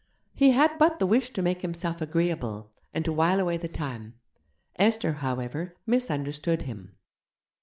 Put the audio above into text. He had but the wish to make himself agreeable, and to while away the time. Esther, however, misunderstood him.